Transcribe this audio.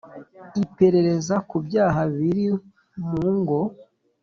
Iperereza ku byaha biri mu ngo